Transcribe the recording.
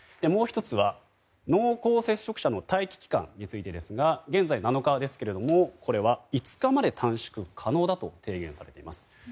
もう１つは、濃厚接触者の待機期間についてですが現在７日ですけれどもこれは５日まで短縮可能だと提言されています。